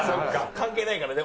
関係ないからね。